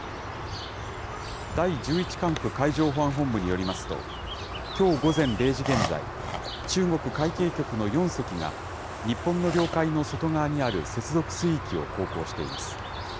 第１１管区海上保安本部によりますと、きょう午前０時現在、中国海警局の４隻が、日本の領海の外側にある接続水域を航行しています。